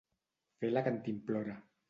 Fer la cantimplora.